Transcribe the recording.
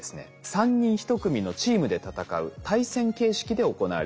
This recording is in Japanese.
３人１組のチームで戦う対戦形式で行われます。